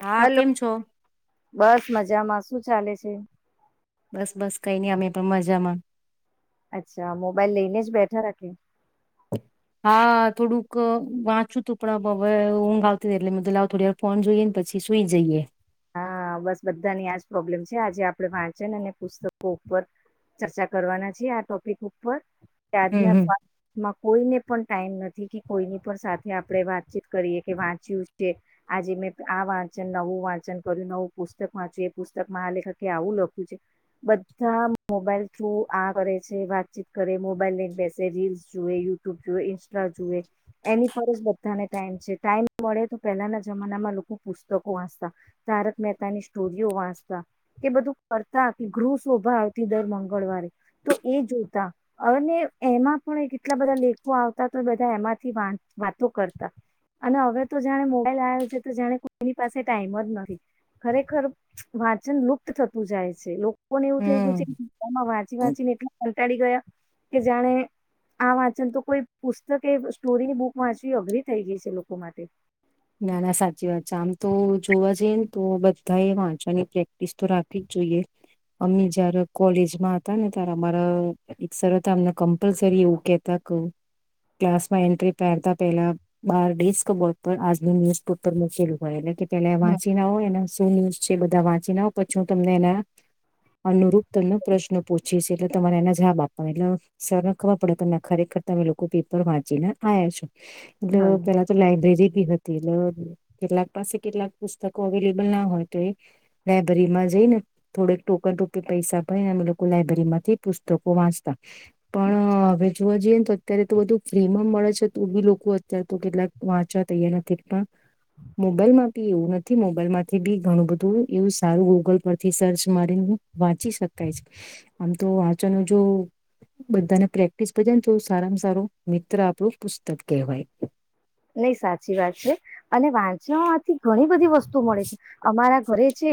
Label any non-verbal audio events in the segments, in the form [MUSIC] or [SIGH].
હા હલો કેમ છો? બસ મજામાં. શું ચાલે છે? બસ બસ કઈ નઈ અમે પણ મજામાં. અચ્છા મોબાઈલ લઈને જ બેઠા રાખે. હા થોડુંક વાંચું તું પણ હવે ઊંઘ આવતી હતી એટલે મધાવ થોડી વાર ફોન જોઈએ ને પછી સુઈ જઈએ. હા બસ બધાની આજ પ્રોબ્લેમ છે આજે આપડણે વાંચન અને પુસ્તકો ઉપર ચર્ચા કરવાના છી આ ટોપિક ઉપર. કે હમ આજના હમ ફમાં કોઈને પણ ટાઈમ નથી કે કોઈની પણ સાથે આપણે વાતચીત કરીએ કે વાંચ્યું છે આજે મેં આ વાંચન નવું વાંચન કર્યું નવું પુસ્તક વાંચ્યું એ પુસ્તકમાં આ લેખકે આવું લખ્યું છે બધા મોબાઈલ થ્રુ આ કરે છે વાતચીત કરે મોબાઈલ લઈને બેસે રીલ્સ જોએ યુટ્યુબ જોુએ ઈન્સ્ટા જોુએ એની પર જ બધાને ટાઈમ છે ટાઈમ મળે તો પહેલાના જમાનામાં લોકો પુસ્તકો વાંચતા. તારક મહેતાની સ્ટોરીઓ વાંચતા કે બધું કરતા કે ગૃહ શોભા આવતી દર મંગળવારે તો એ જોતા અને એમાં પણ કેટલા બધા લેખો આવતા તો બધા એમાંથી વા વાતો કરતા અને હવે તો જાણે મોબાઈલ આવે છે તો જાણે કોઈની પાસે ટાઈમ જ નથી. ખરેખર વાંચન લુપ્ત થતું જાય છે. લો કો પણ એવું થઈ હમ ગયું છે વાત ચી વાચી વાંચીને એટલા કંટાળ ગયા કે જાણે આ વાંચન તો કોઈ પુસ્તક એ સ્ટોરીની બુક વાંચવી અઘરી થઈ ગઈ છે લોકો માટે. ના ના સાચી વાત છે આમ તો જોવા જઈએ ને તો બધા એ વાંચવાની પ્રેક્ટિસ તો રાખવી જ જોઈએ અમી જય્યારે કોલેજમાં હતા ને ત્યારે અમારા એક સર અમને કમ્પલસરી એવું કેતા ક ક્લાસમાં એન્ટ્રી પહેરતા પેલા બાર ડેસ્ક બોર્ડ પર ન્યુઝપેપર મૂકેલું હોય ને કે એલે હમ વાંચી ના હોય એને. શું ન્યૂઝ છે એ બધા વાંચીને આવ પછી હું તમને એના અનુરૂપ તલબ પ્રશ્ન પૂછીસ એટલે તમારે એના જવાબ આપવા એટલે સરખવા પડે તને ખરેખર તમે લોકો પેપર વાંચીને આયા છો. એટલે હા પેલા તો લાઈબ્રેરી [INAUDIBLE] એ કેટલાક પાસે કેટલાક પુસ્તકો અવેલેબલ ના હોય તો એ લાયબ્રેરીમાં જઈને થોડક ટોકન ટોપ પૈસા ભય ને અમે લોકો લાયબ્રેરી માંથી પુસ્તકો વાંચતા. પણ હવે. જોવા જઈએ ને તો અત્યારે તો બધું ફ્રી મા મળે છે તો બી લોકો અત્યારે તો કેટલાક વાંચા તૈયાર નથી પણ મોબાઈલ માં બી એવું નથી મોબાઈલમાંથી બી ઘણું બધું એવું સારું ગૂગલ પરથી સર્ચ મારીને વાંચી શકાય છે આમ તો વાંચવાનું જો બધાને પ્રેક્ટિસ બે ને તો સારામાં સારો મિત્ર આપણું પુસ્તક કહેવાય. નઈ સાચી વાત છે અને વાંચણથી ઘણી બધી વસ્ત તુ મળે છે અમારા ઘરરે છે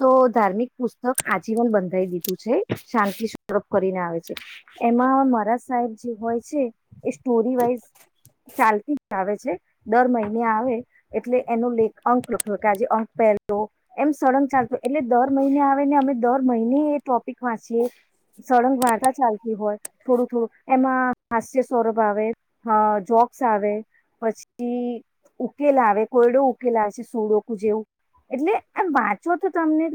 તો ધાર્મિક પુસ્તક આજીવન બંધાઈ દીધું છે શાંતિ સડપ કરીને આવે છે એમાં મારા સાહેબ જે હોય છે. એ સ્ટોરી વાઈઝ ચાલતી આવે છે. દર મહિને આવે એટલે એનો અંક લખ્યો કે આજે અંક પહેલો એમ સળંગ ચાલતો એટલે દર મહિને આવેને અમે દર મહિને એ ટોપિક વાંચીએ સળંગ વાર્તા ચાલતી હોય થોડું થોડું એમાં હાસ્ય સ્વરભ આવે, જોક્સ આવે. પછી ઉકેલ આવે, કોયડો ઉકેલ આવે છે સુળોકું જેવું એટલે આ વાંચો તો તમને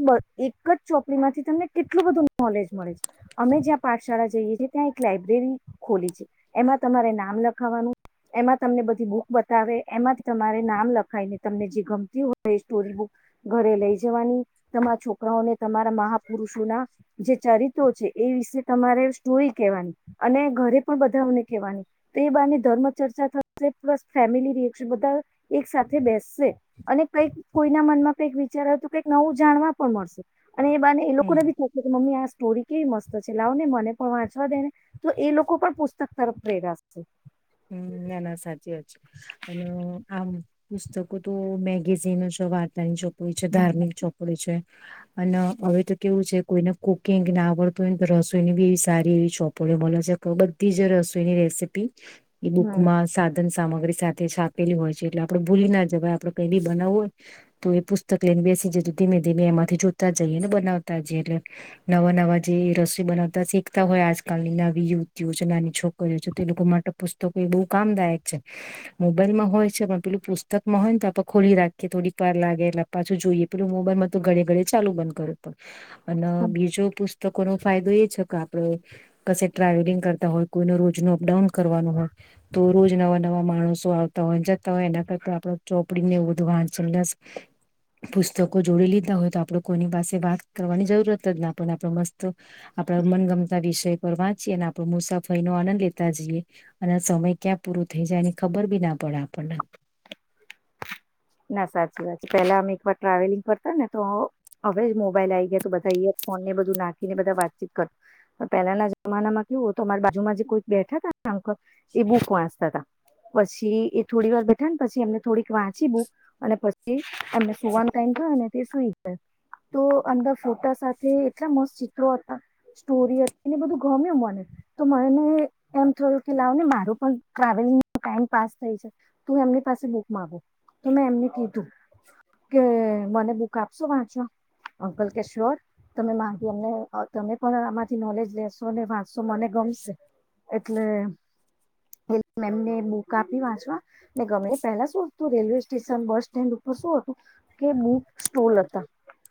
એક જ ચોપડીમાંથી તમને કેટલું બધું નોલેજ મળે છે અમે જ્યાં પાઠશાળા જઈએ છીએ ત્યાં એક લાઈબ્રેરી ખોલી છે એમાં તમારે નામ લખાવાનું એમાં તમને બધી બુક બતાવે એમાંથી તમારે નામ લખાય ને તમને જે ગમતી હોય સ્ટોરી બુક ઘરે લઈ જ જવાની. તમારા છોકરાઓને તમારા મહાપુરુષોના જે ચરિત્રો છે. એ વિષ તમારે સ્ટોરી કવાની અને ઘરે પણ બધાને કહેવાની તો એ બા ની ધર્મ ચર્ચા થ પ્લસ ફેમિલી રિએક્શન બધા એક સાથે બેસશે અને કઈક કોઈના મનમાં કઈક વિચાર હો તો કઈક નવું જાણવા પણ મળશે અને એ બાને એ લોકો હમ ને બી થ કે મમ્મી સ્ટોરી કેવી મસ્ત છે લાવ ને મને પણ વાંચવા દે ને તો એ લોકો પણ પુસ્તક તરફ પ્રેરાસ છે. હમ ના ના સાચી અને આમ પુસ્તકો તો મેગેઝિન છે વાર્તાની છે હમ ધાર્મિક ચોપડી છે. અને હવે તો કેવું છે કોઈને કુકિંગ ના આવડતું હોય ને તો રસોઈની બી એવી સારી એવી ચોપોડી મળે છે બધી જ રસોઈની રેસીપી એ હમ બુકમાં સાધન સામગ્રી સાથે છા આપેલી હોય છે એટલે આપડે ભૂલી ના જવે આપડે કઈ બી બનાવ હોય તો એ પુસ્તક લઈને બેસી જ ધીમે ધીમે એમાંથી જોતા જઈએ ને બનાવતા જઈએ એટલે નવા નવા જે રસીો બનાવતા શીખતા હોય આજકાલની નવી યુવતીઓ છે નાની છોકરીઓ છે તે લોકો માટે પુસ્તકો એ બહુ કામદાયક છે મોબાઈલમાં હોય છે પણ પેલું પુસ્તકમાં હોય ને તો આપે ખોલી રાખીએ થોડીક વાર લાગે એટલે પાછું જોઈએ પેલું મોબાઈલમાં તો ઘડે ઘડે ચાલુ બંધ કરે પણ અને બીજો પુસ્ત તો લોકોનો ફાયદો એ છે કે આપડે ક ટ્રાવેલિંગ કરતા હોય કોઈને રોજ ન અપડાઉન કરવાનું હોય તો રોજ નવા નવા માણસો આવતા હોય જતા હોય એના કરતા આપ ચોપડીને એવું બધું વાંચ પુસ્તકો જોડી લીધા હોય તો આપડ કોઈની પાસે વાત કરવાની જરૂરત જ નાને આપ મસ્ત આપડા મનગમતા વિષય પર વાંચીએ ને આપો મુસાફરી નો આનંદ લેતા જઈએ. અને સમય ક્યાં પૂરો થઈ જાય એની ખબર બી ના પડે આપણને. ના સાચી વાત છે પેલા અમે એક વાર ટ્રાવેલિંગ કરતા ને તો હવે મોબાઈલ આ ગયા તો બધા ઈયરફોન ને બધું નાખીને બધા વાતચીત કર પણ પેહેલાના જમાનામાં કેવું અમારી બાજુમાં જે કોઈ બેઠા તામક એ બુક વાંચતા તા પછી એ થોડી વાર બેઠા ને પછી એમને થોડીક વાંચી બુક અને પછી અમને સવાનો ટાઈમ થયોને સુઈ જાય તો અમદ ફોટા સાથે એટલા મસ્ત ચિત્રો હતા સ્ટોરી હતી એને બધું ગમ મને તો મને એમ થયું કે લાવ ને માર પણ ટ્રાવેલંગ ટાઈમ પા થાય છે તું એમની પાસે બુક મામાંગુ તો મેં એમને કીધું કે મને બ બક આપશો વાંચવા અંકલ કે શ્યોર તમે માથીમને તમે પણ આમાંથી નોલેજ લેશો ને વાંચશો મને ગમશે એટલે મેમને બુક આપી વાંચવા ને ગમે પેલા શું તું રેલવે સ્ટેશન બસ સ્ટેન્ડ ઉપર શું હતું કે બુક સ્ટોલ હતા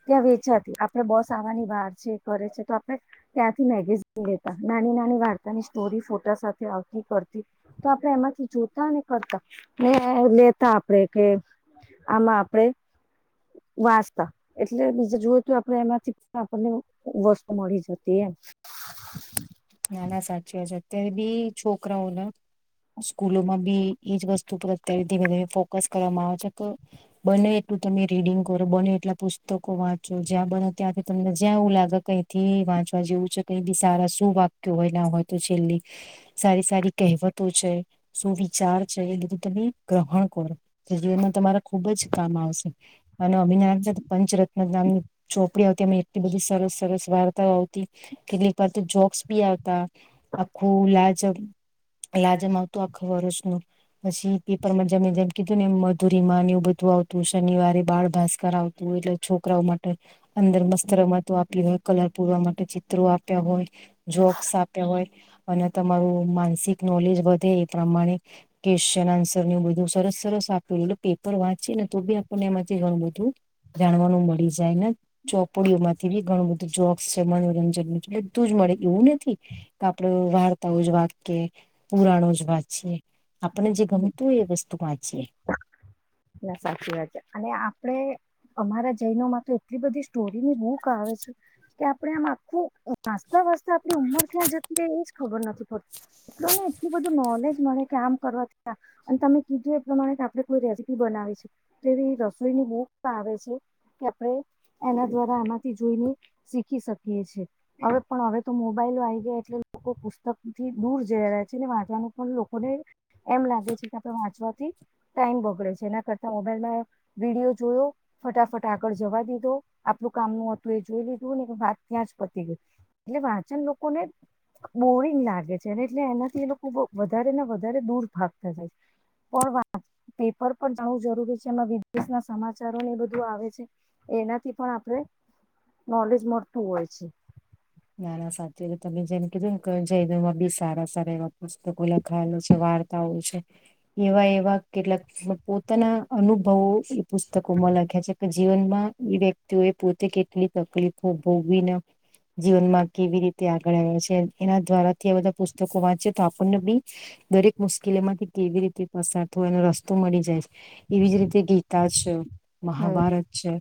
ત્યાં વેચ્યા હતી આપડે બસ આવાની વાર છે કરે છે તો આપડે ત્યાંથી મેગેઝન લેતા નાની નાની વાર ની સ્ટોરી ફોટા સાથે આવતી કરતી તો આપણે એમાંથી જોતા ને કરતા ને લેતા આપે કે આમાં આપણેે વાંચતા એટલે બીજા જોયું તો આપણે એમાંથી પણ આપણને વસ્તુ મળી જતી એમ ના ના સાચી વા છે અત્યારે બી છોકરાઓને સ્કૂલોમાં બી એજ વસ્તુ પર અત્યારે વધ ફોકસ કરવામાં આવે છે કે બને એટલું તમે રીડિંગ કરો બને એટલા પુસ્તકો વાંચો જ્યાં બને ત્યાંથી તમને જ્યાં એવું લાગે કઈથી વાંચવા જેવું છે કઈ બી સારા શું વા કેવાય ના હોય તો છેલ્લી સારી સારી કહેવતો છે સુવિચાર છે એ બીધું તમે ગ્રહણ કરો જીવનમાં તમારા ખુબ જ કામ આવશે અને અભિનાન છે પંચરત્ન નામની ચોપ આવતી અ એટલી બધી સરસ સરસ વાર્તાઓ આવતી કેટલીક વાર તો જોક્સ પી આવતા આખું લાજમ લાજમ આવતું આખ વરજ ન પછી પેપરમાં જેમ જેમ કીધું ને એમ મધુરી માન એવું બધું આવતું શનિવારે બાળ ભાસ્કર આવતું એટલે છોકરાઓ માટે અંદર મસ્ત રમતો આપી હોય કલર પૂરવા માટે ચિત્રો આપ્યા હોય જોક્સ આપ્યા હોય અને તમારું માનસિક નોલેજ વધે એ પ્રમાણે ક્વેશ્ચન આન્સર ન બધું સરસ સરસ આપ્યું એટલે પેપર વાંચીએ ને તો બી આપણને એમાંથી ઘણું બધું જાણવાનું મળી જાય ને ચોપડીઓ માંથી બી ઘણું બધું જોક્સ છે મનોરંજન બધું જ મળે એવું નથી કે આપડ વાર્તાઓ જ વાક કે પુરાણો જ વાતીએ આપણે જે ગમતું હોય એ વસ્તુ વાંચી છે ના સાચી વાત છે અને આપણે અમારા જૈનો માં તો એટલી બધી સ્ટોરીની મૂક આવે છે કે આપણે આમ આખું વાચતા વાસતા આપણી ઉંમર ક્યાં જતી એજ ખબર નથી પડતી એટ ને એટલું બધું નોલેજ મળે કે આમ કરવાથી અને તમે કીધું એ પ્રમાણે કે આપડે કોઈ ર બનાવે છે તોવી રસોઈની બુક આવે છે કે આપણે એના દ્વારા આમાંથી જોઈને શીખી શકીએ છેએ હવે પણ હવે તો મોબાઈલો આવી ગયા એટલે લોકો પુસ્તકથી દૂર જઈ રહ્યા છે ને વાંચવાનું પણ લોકોને એમ લાગે છે કે આપણે વાંચવાથી ટાઈમ બગડે છે જેના કરતા મોબાઈલમાં વિડીયો જોયો ફટાફટ આગળ જવા દીધો આપલું કામનું હતું એ જોઈ લીધું ને વાત ત્યાં જ પતી ગય એટલે વાચન લોકો ને બોરિંગ લાગે છે એટલે એનાથી એ લોકો વધારે ને વધારે દૂર ભાગતા જાય છે પણ પેપર પણ જાવું જરૂરી છે એમાં વિદેશના સમાચારોને બધું આવે છે એનાથી પણ આપણે નોલેજ મળતું હોય છે નાના સાથી તમે જેને કીધું ને જમાં બી સારા સારા એવા પુસ્તકો લખાયેલો છે વાર્તાઓ છે એવા એવા કેટલાક પોતાના અનુભવો પુસ્તકોમાં લખ્યા છે કે જીવનમાં એ વ્યક્તિઓ એ પોતે કેટલી તકલીફો ભોગવી ના જીવનમાં કેવી રીતે તે આગળ આવે્યા છે એના દ્વારાથી બધા પુસ્તકો વાંચીે તો આપણને બી દરેક મુશ્કેલી માંથી કેવી રીતે પસાર થય એનો રસ્તો મળી જાય એવી જ રીતે ગીતા છે હમ. મહહાભારત છે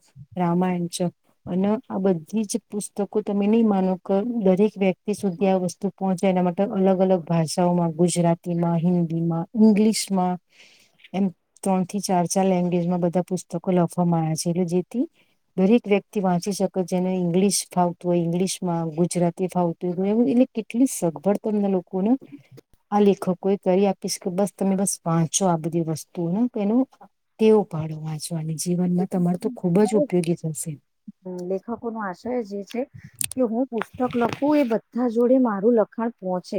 રામાયણચ અને આ બધી જ પુસ્તકો તમે નહી માનો કે દરેક વ્યક્તિ સુધી આ વસ્તુ પહોંચે એના માટે અલગ અલગ ભાષાઓમાં ગુજરાતીમાં હિન્દી માં ઈંગ્લિશમાં એમ ત્રણ થી ચાર ચાર લેંગ્વેજમાં બધા પુસ્તકો લખવામાં આવ્યા છે એટલે જેથી દરેક વ્યક્તિ વાંચી શકે જેને ઈંગ્લિશ ફાવ તો ઇંગ્લિશ માં ગુજરાતી ફાવતું હોય એ એટલે કેટલી સગવડ તમને લોકોને આ લેખકો એ કરી આપીશ કે બસ તમે બસ વાંચો આ બધી વસ્તુઓને કે એનું ટેવું પાાડો વાંચવા અને જીવનમાં તમાર તો ખુબ જ ઉપયોગી થશે લેખકો નો આશય જે છે કે હું પુસ્તક લખું એ બધા જોડે મારું લખાણ પહોંચે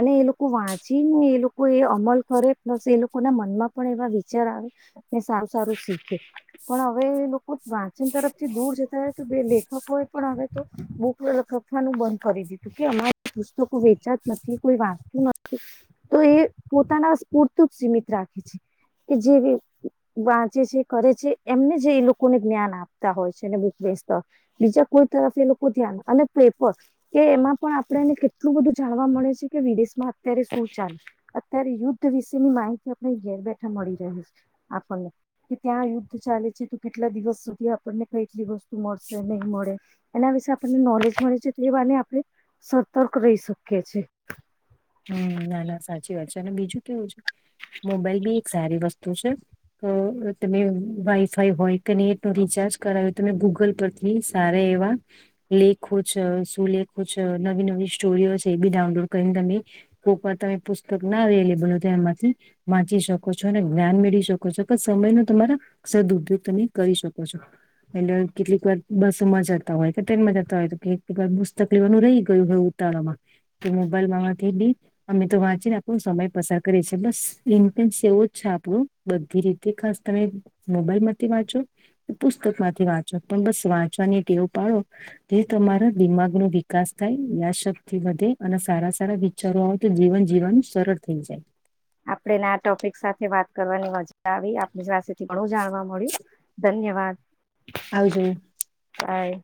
અને એ લોકો વાંચીનને એ લોકો એ અમલ કરે પ્લસ એ લોકો ના મનમાં પણ એવા વિચાર આવે કે સારું સારું શીખે પણ હવે એ લોકો વાંચન તરફ થી દૂર જતા હોય તો બે લેખકો એ પણ હવે તો બુક લખવાનું બંધ કરી દીધું કે અમારે પુસ્તકો વેચા જ નથી કોઈ વાંચતું નથી તો એ પોતાના સ્ફૂરતું જ સીમિત રાખે છે કે જે વાંચે છે કરે છે એમને જે એ લોકોને જ્ઞાન આપે હોય બક વ બીજા કોઈ તરફ એ લોકો ધ્યાન અને પેપર કે એમાં પણ આપણેને કેટલું બધું જાણવા મળે છે કે વિદેશમાં અત્યારે શું ચાલે અત્યારે યુદ્ધ વિશેની માહિતી આપણે ઘેર બેઠા મળી રહી છે આપણને કે ત્યાં યુદ્ધ ચાલે છે તો કેટલા દિવસ સુધી ને ખઈલી ગ મરશે નહીં મરે એના વિશે આપણને નોલેજ મળે છે એ એ વાને આપણે સતર્ક રહી શકીએ છ છેીએ હમ ના ના સાચી વા છે અને બીજું કેવું છે મોબાઈલ બી એક સારી વસ્તુ છે તમે વાઈફાઈ હોય કે નેટ નો રિચાર્જ કરાવો તમે ગૂગલ પરથી સારા એવા લેખો છો સુલેખો છ નવી નવી સ્ટોરીઓ છે એ બી ડાઉનલોડ કરીને તમે કોઈક વાર તમે પુસ્તક ના અલેબલ હો તો એમાંથી વાંચી શકો છો અને જ્ઞાન મેળવી શકો છો કે સમય ન તમારા સદઉદયોગ તમે કરી શકો છો એટલે કેટલીક વાર બસ માં જતા હોય કે ટન માં જતા હોય તો કેક વાર પુસ્તક લેવાનું રહી ગયું હોય ઉતાળામાં તો મોબાઈલમાં અમે તો વાંચીને આપણો સમય પસાર કરીએ છેી બસ ઇન્ એવો છે આપણું બધી રીતે ખાસ તમે મોબાઈલ માંથી વાંચો પુસ્તક માંથી વાંચો પણ બસ વાંચવાની એક એવું પાળો જે તમારા દિમાગ નો વિકાસ થાય વ શક્તિ વધે અને સારા સારા શરૂ હો તો જીવન જીવાનું સરળ થઈ જાય આપડેને આ ટોપિક સાથે વાત કરવાની મજા આવી આપની [UNINTELLIGIBLE] ઘણું જાણવા મળ્યું ધન્યવાદ આવજો હાય